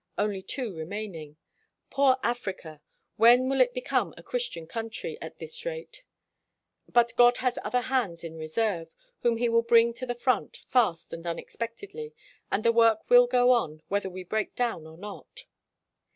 Only two remaining. Poor Africa ! When will it become a Christian country at this rate ? But God has other hands hi reserve, whom he will bring to the front, fast and unexpectedly, and the work will go on whether we break down or not."